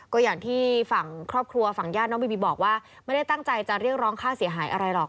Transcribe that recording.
ก็อย่างที่ฝั่งครอบครัวฝั่งญาติน้องบีบีบอกว่าไม่ได้ตั้งใจจะเรียกร้องค่าเสียหายอะไรหรอก